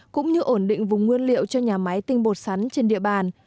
cũng như ổn định vùng nguyên liệu cho nhà máy tinh bột sắn trên địa bàn